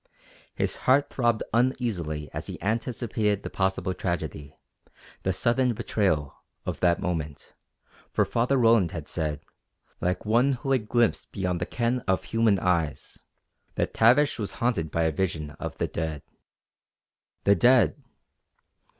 His heart throbbed uneasily as he anticipated the possible tragedy the sudden betrayal of that moment, for Father Roland had said, like one who had glimpsed beyond the ken of human eyes, that Tavish was haunted by a vision of the dead. The dead!